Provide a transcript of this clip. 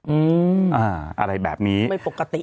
อือไม่ปกติ